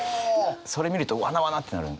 それ見るとわなわなってなる。